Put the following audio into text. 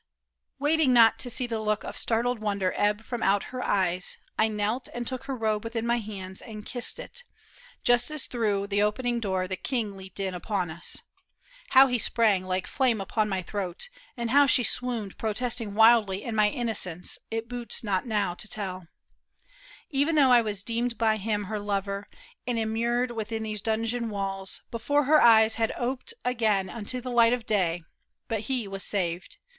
Waiting not to see the look Of startled wonder ebb from out her eyes, I knelt and took her robe within my hands And kissed it, just as through the opening door, The king leaped in upon us. How he sprang Like flame upon my throat, and how she swooned Protesting wildly in my innocence. It boots not now to tell. Enough that I Was deemed by him her lover and immured Within these dungeon walls, before her eyes Had oped again unto the light of day. But he was saved